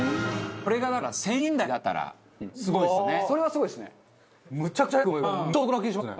これがだから１０００円台だったらすごいですよね。